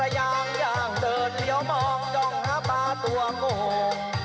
่อย่างเดินเยอะมองย่องห้าม้าตัวงง